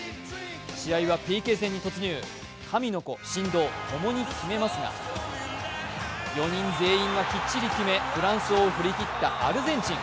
試合はＰＫ戦に突入、神の子、神童、ともに決めますが、４人全員がきっちり決めフランスを振り切ったアルゼンチン。